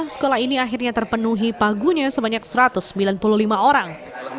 sekolah ini akhirnya terpenuhi pagunya sebanyak satu ratus sembilan puluh lima orang